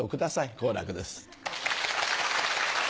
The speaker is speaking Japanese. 好楽です。